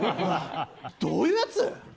どういうやつ？